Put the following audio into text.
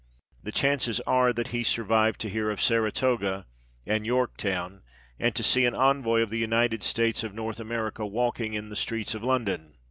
The chances are that he survived to hear of Saratoga and Yorktown, and to see an envoy of the United States of North America walk ing in the streets of London.